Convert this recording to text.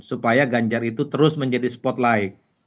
supaya ganjar itu terus menjadi spotlight